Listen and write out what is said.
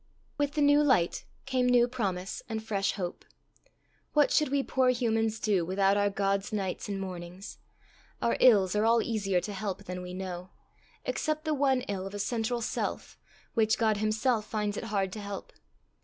With the new light came new promise and fresh hope. What should we poor humans do without our God's nights and mornings? Our ills are all easier to help than we know except the one ill of a central self, which God himself finds it hard to help.